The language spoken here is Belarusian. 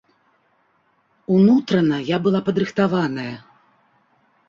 Унутрана я была падрыхтаваная.